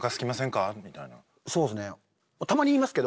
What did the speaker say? そうですね。